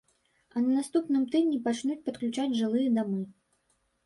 А на наступным тыдні пачнуць падключаць жылыя дамы.